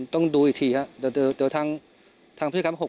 ต้องดูอีกทีครับเดี๋ยวทางพลังพูดครับ